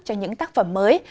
cho những tác phẩm mới